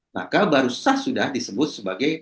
maka barusan sudah disebut sebagai